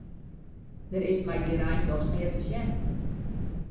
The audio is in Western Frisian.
Der is mei dy rein dochs neat te sjen.